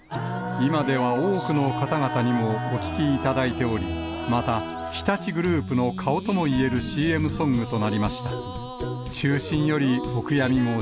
今では多くの方々にもお聴きいただいており、また日立グループの顔とも言えるＣＭソングとなりました。